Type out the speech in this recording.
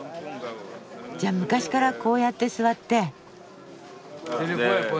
じゃあ昔からこうやって座って。